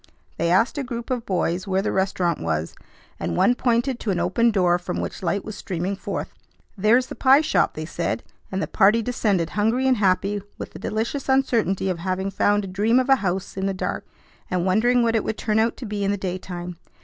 They asked a group of boys where the restaurant was, and one pointed to an open door from which light was streaming forth. "There's the pie shop," they said, and the party descended hungry and happy with the delicious uncertainty of having found a dream of a house in the dark, and wondering what it would turn out to be in the daytime.